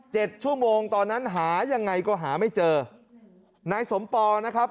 ชั่วโมงตอนนั้นหายังไงก็หาไม่เจอนายสมปองนะครับ